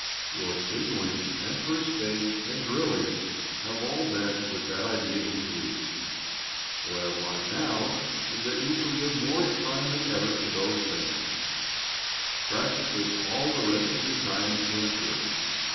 Your signaling and first aid and drilling have all been with that idea in view. What I want now is that you shall give more time than ever to those things practically all the rest of your time in camp here.